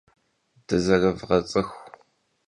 Dızerıvğets'ıxu!